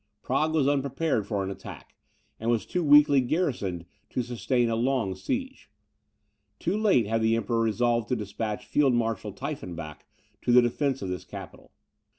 Prague was unprepared for an attack, and was too weakly garrisoned to sustain a long siege. Too late had the Emperor resolved to despatch Field Marshal Tiefenbach to the defence of this capital.